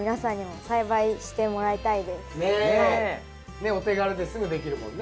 ねっお手軽ですぐできるもんね。